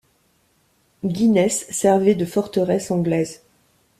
Guînes servait de forteresse anglaise.